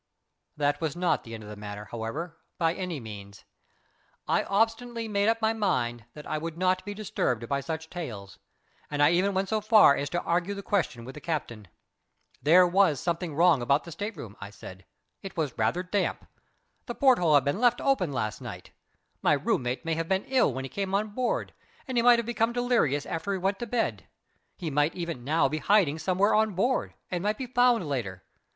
That was not the end of the matter, however, by any means. I obstinately made up my mind that I would not be disturbed by such tales, and I even went so far as to argue the question with the captain. There was something wrong about the state room, I said. It was rather damp. The porthole had been left open last night. My room mate might have been ill when he came on board, and he might have become delirious after he went to bed. He might even now be hiding somewhere on board, and might be found later.